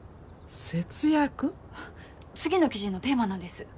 次の記事のテーマなんです。